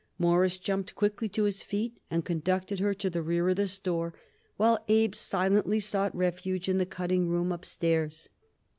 Morris jumped quickly to his feet and conducted her to the rear of the store, while Abe silently sought refuge in the cutting room upstairs.